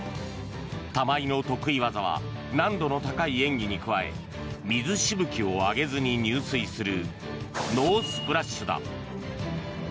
玉井の得意技は難度の高い演技に加え水しぶきを上げずに入水するノースプラッシュだ。